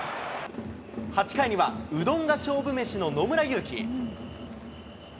８回にはうどんが勝負飯の野村佑希。